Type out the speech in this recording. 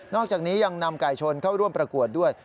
อกจากนี้ยังนำไก่ชนเข้าร่วมประกวดด้วย